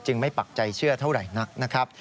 ไม่ปักใจเชื่อเท่าไหร่นักนะครับ